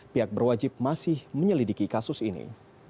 pihak berwajib masih menyelidiki kasus ini